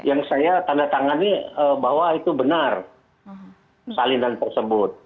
yang saya tanda tangani bahwa itu benar salinan tersebut